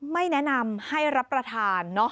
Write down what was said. ไม่แนะนำให้รับประทาน